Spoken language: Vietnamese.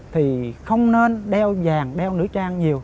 thì không nên đeo vàng đeo nữ trang nhiều